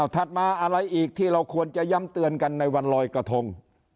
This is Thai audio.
มาอะไรอีกที่เราควรจะย้ำเตือนกันในวันลอยกระทง